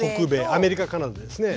アメリカカナダですね。